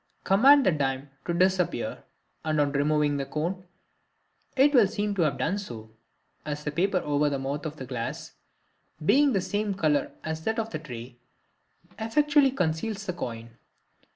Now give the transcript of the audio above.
Command the dime to disappear, and on removing the cone it will seem to have done so, as the paper over the mouth of the glass, being the same color as that on the tray, effectually conceals the coin.